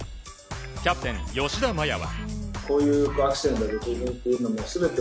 キャプテン吉田麻也は。